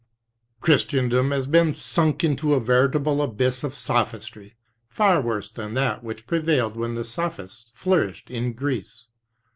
"Christendom has been sunk into a veritable abyss of sophistry, far worse than that which prevailed when the sophists flourished in Greece.